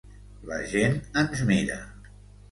La gent ens mira.